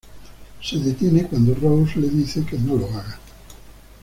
Se detiene cuando Rose le dice que no lo haga.